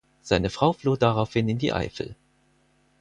Seine Frau floh daraufhin in die Eifel.